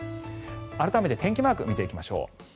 改めて天気マーク見ていきましょう。